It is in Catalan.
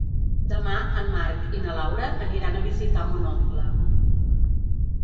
Demà en Marc i na Laura aniran a visitar mon oncle.